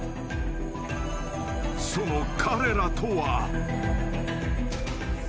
［その彼らとは］